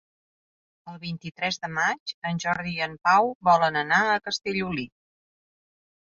El vint-i-tres de maig en Jordi i en Pau volen anar a Castellolí.